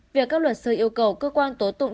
việc các luật sư yêu cầu cơ quan tố tụng